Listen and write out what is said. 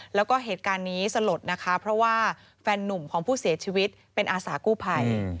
แล้วก็เหตุการณ์นี้สลดนะคะเพราะว่าแฟนนุ่มของผู้เสียชีวิตเป็นอาสากู้ภัย